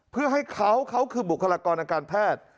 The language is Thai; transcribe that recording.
เพื่อให้เขาเขาคือบุคลากรทางการแพทย์